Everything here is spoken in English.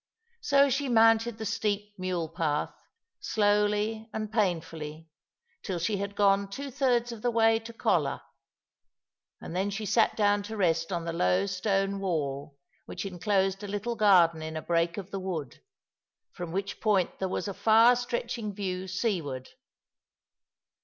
So she mounted the steep mule path,' slowly and painfully, till she had gone two thirds of the way to Colla; and then she sat down to rest on the low stone wall which enclosed a little garden in a break of the wood, from which point there was a far stretching view seaward.